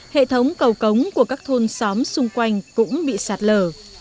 hệ thống cầu cống của các thôn xóm xung quanh cũng bị sạt lở